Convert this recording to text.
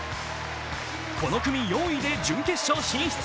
この組４位で準決勝進出。